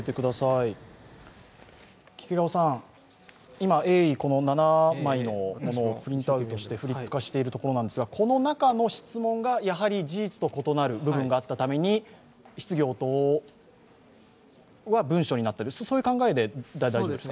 今、鋭意７枚のものをプリントアウトしてフリップ化しているところですがこの中の質問が、事実と異なる部分があったために質疑応答は文書になった、そういう考えで大丈夫ですか？